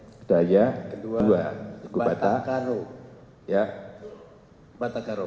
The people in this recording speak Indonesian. soekudaya kedua batak karo